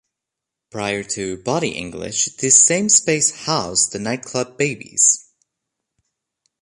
Prior to "Body English," the same space housed the nightclub "Baby's.